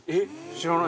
知らない！